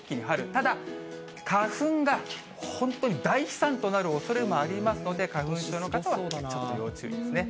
ただ花粉が、本当に大飛散となる恐れもありますので、花粉症の方はちょっと要注意ですね。